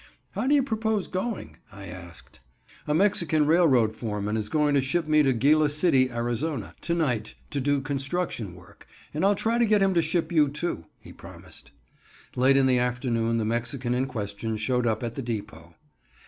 "How do you propose going?" I asked. "A Mexican railroad foreman is going to ship me to Gila City, Ariz., to night to do construction work, and I'll try to get him to ship you too," he promised. Late in the afternoon the Mexican in question showed up at the depot.